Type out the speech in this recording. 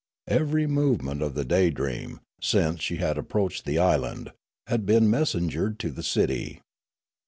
Every movement of the Day dream, since she had approached the island, had been messengered to the city.